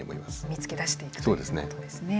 見つけ出していくということですね。